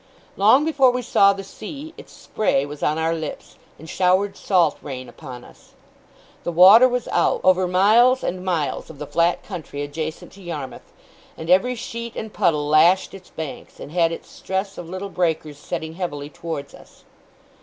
Long before we saw the sea, its spray was on our lips, and showered salt rain upon us. The water was out, over miles and miles of the flat country adjacent to Yarmouth; and every sheet and puddle lashed its banks, and had its stress of little breakers setting heavily towards us.